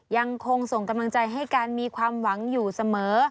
ยังคงส่งกำลังใจให้กันมีความหวังอยู่เสมอ